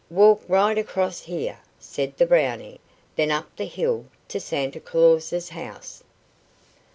"Walk right across here," said the Brownie, "then up the hill to Santa Claus's house."